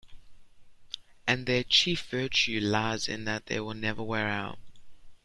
And their chief virtue lies in that they will never wear out.